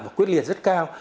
và quyết liệt rất cao